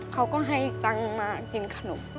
เขาก็ให้ตังค์มากินขนม